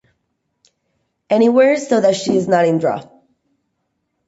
Anywhere, so that she is not in a draught.